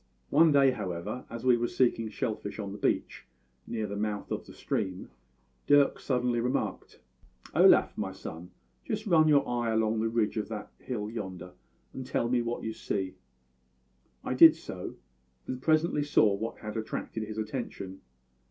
"One day, however, as we were seeking shell fish on the beach near the mouth of the stream, Dirk suddenly remarked: "`Olaf, my son, just run your eye along the ridge of that hill yonder, and tell me what you see.' "I did so; and presently saw what had attracted his attention.